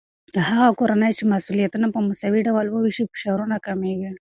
هغه کورنۍ چې مسؤليتونه په مساوي ډول وويشي، فشارونه کمېږي.